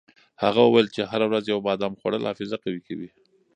هغه وویل چې هره ورځ یو بادام خوړل حافظه قوي کوي.